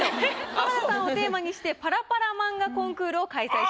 浜田さんをテーマにしてパラパラ漫画コンクールを開催します。